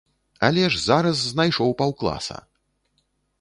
Але ж зараз знайшоў паўкласа!